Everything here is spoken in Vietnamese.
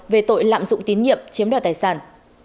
về tội lạm dụng tín nhiệm chiếm đoạt tài sản